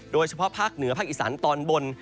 โดยเฉพาะภาคเหนือภาคอีสานตอนบน